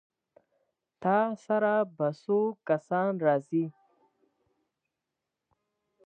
ستا سره به څو کسان راځي؟